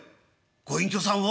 「ご隠居さんを？